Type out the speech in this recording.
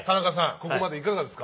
ここまでいかがですか。